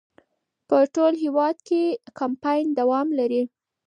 په ټول هېواد کې کمپاین دوام لري.